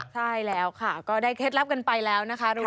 ใช่แล้วค่ะก็ได้เคล็ดลับกันไปแล้วนะคะ